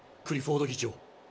クリフォード議長。